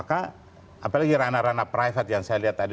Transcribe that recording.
apalagi ranah ranah privat yang saya lihat tadi